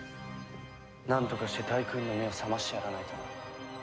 なんとかしてタイクーンの目を覚ましてやらないとな。